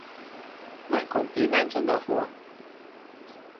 Mijn complimenten daarvoor!